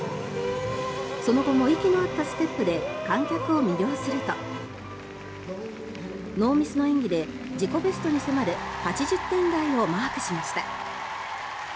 その後も息の合ったステップで観客を魅了するとノーミスの演技で自己ベストに迫る８０点台をマークしました。